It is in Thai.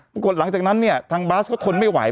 ปรากฏหลังจากนั้นเนี่ยทางบาสก็ทนไม่ไหว